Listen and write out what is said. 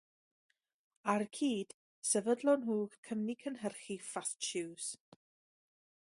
Ar y cyd, sefydlon nhw'r cwmni cynhyrchu Fast Shoes.